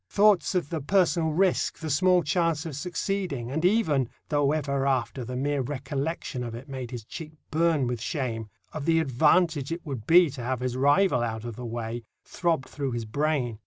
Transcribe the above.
Thoughts of the personal risk, the small chance of succeeding, and even—though ever after the mere recollection of it made his cheek burn with shame—of the advantage it would be to have his rival out of the way, throbbed through his brain.